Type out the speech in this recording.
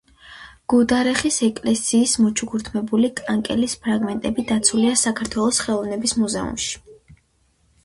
გუდარეხის ეკლესიის მოჩუქურთმებული კანკელის ფრაგმენტები დაცულია საქართველოს ხელოვნების მუზეუმში.